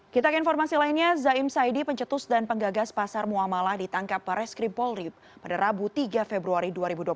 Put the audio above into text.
kita ke informasi lainnya zaim saidi pencetus dan penggagas pasar muamalah ditangkap baris krim polri pada rabu tiga februari dua ribu dua puluh